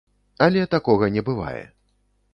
Але такога не бывае.